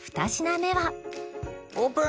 オープン！